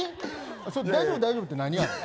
大丈夫、大丈夫って何？